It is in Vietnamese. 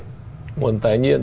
nguồn tài nguyên thiên nhiên